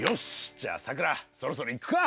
じゃあさくらそろそろ行くか。